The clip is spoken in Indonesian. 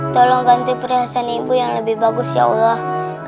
tolong ganti perhiasan ibu yang lebih bagus ya allah